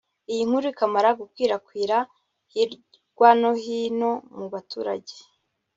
Iyi nkuru ikimara gukwirakwira hirwa no hino mu baturage